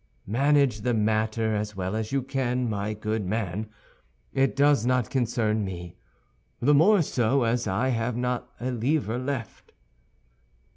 "Manage the matter as well as you can, my good man; it does not concern me, the more so as I have not a livre left."